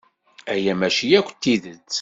Aya mačči akk d tidet.